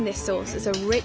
そう。